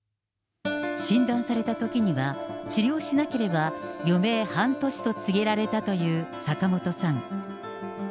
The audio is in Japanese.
診断されたときには、治療しなければ余命半年と告げられたという坂本さん。